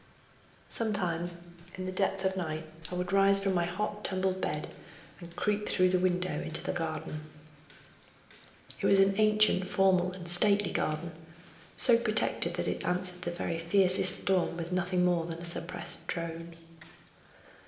Sometimes in the depth of night I would rise from my hot, tumbled bed and creep through the window into the garden. It was an ancient, formal and stately garden, so protected that it answered the very fiercest storm with nothing more than a suppressed drone.